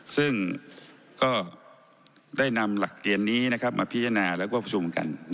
ซึ่งได้นำหลักเรียนนี้มาพิจารณาและกว่าประชุมกัน